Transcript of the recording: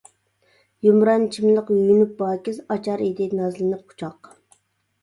يۇمران چىملىق يۇيۇنۇپ پاكىز، ئاچار ئىدى نازلىنىپ قۇچاق.